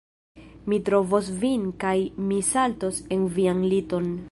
Mi trovos vin kaj mi saltos en vian liton